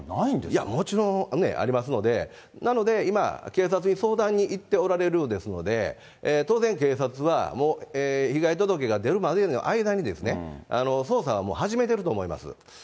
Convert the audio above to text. いや、もちろんね、ありますので、なので、今、警察に相談に行っておられるようですので、当然、警察はもう被害届が出るまでの間にですね、捜査は始めてると思います。